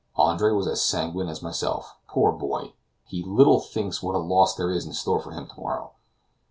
Andre was as sanguine as myself; poor boy! he little thinks what a loss there is in store for him to morrow.